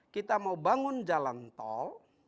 kita mau bangun jalan tol